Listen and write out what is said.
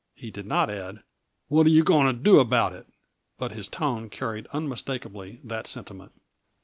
He did not add, "What are you going to do about it?" but his tone carried unmistakably that sentiment.